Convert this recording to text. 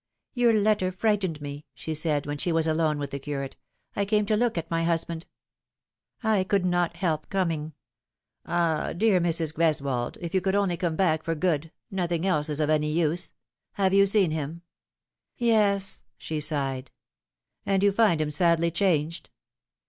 " Your letter frightened me," she said, when she was alone with the curate. " I came to look at my husband. I could not help coming." " Ah, dear Mrs. Greswold, if you could only come back for good nothing else is of any use. Have you seen him ?"" Yes," she sighed. " And you find him sadly changed